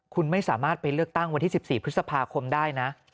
คุณไม่สามารถไปเลือกตั้งวันที่๑๔พฤษภาคมได้นะ